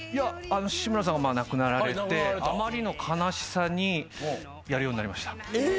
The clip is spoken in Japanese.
志村さんが亡くなられてあまりの悲しさにやるようになりました。